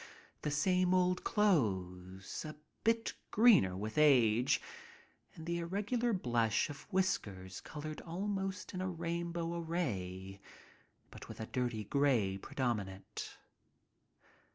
The same old clothes, a bit greener with age, and the irregular bush of whiskers colored almost in a rainbow array, but with a dirty gray predominant.